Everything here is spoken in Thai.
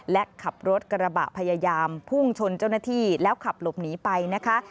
และขับรถกระบะพยายามพุ่งชนเจ้าหน้าที่แล้วขับหลบหนีไปนะคะ